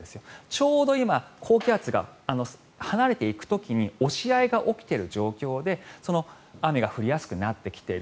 ちょうど今、高気圧が離れていく時に押し合いが起きている状況で雨が降りやすくなってきている。